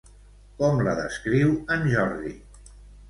Com la descriu en Jordi?